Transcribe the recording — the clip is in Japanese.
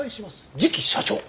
次期社長。